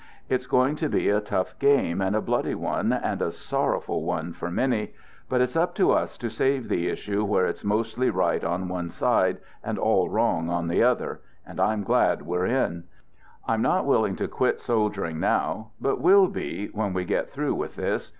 It's going to be a tough game, and a bloody one, and a sorrowful one for many. But it's up to us to save the issue where it's mostly right on one side and all wrong on the other — and I'm glad we're in. I'm not willing to quit soldiering now, but will be when we get through with this.